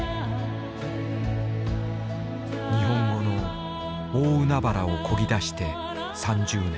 日本語の大海原をこぎ出して３０年。